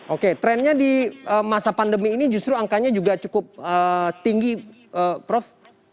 oke trennya di masa pandemi ini justru angkanya juga cukup tinggi prof